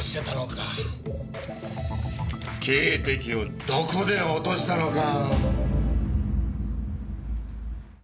警笛をどこで落としたのか。